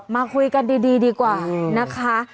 มาคุยกันดีดีกว่านะคะ